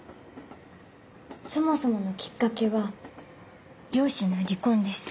そもそものきっかけは両親の離婚です。